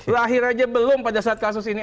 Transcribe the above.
lahir aja belum pada saat kasus ini